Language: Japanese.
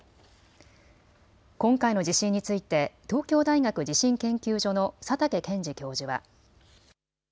今回の地震について東京大学地震研究所の佐竹健治教授は。